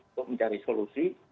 untuk mencari solusi